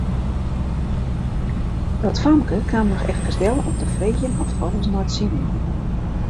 Dat famke kaam noch efkes del om te freegjen oft alles nei't sin wie.